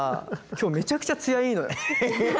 今日めちゃくちゃ艶いいのよ。